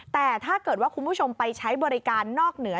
แต่ถ้าเกิดว่าคุณผู้ชมไปใช้บริการนอกเหนือ